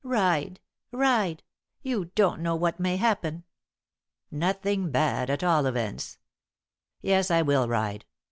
"Ride ride! You don't know what may happen." "Nothing bad, at all events. Yes, I will ride.